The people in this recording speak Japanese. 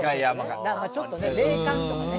なんかちょっとね霊感とかね。